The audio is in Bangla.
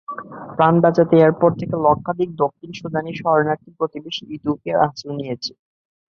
প্রাণ বাঁচাতে এরপর থেকে লক্ষাধিক দক্ষিণ সুদানি শরণার্থী প্রতিবেশী ইথিওপিয়ায় আশ্রয় নিয়েছে।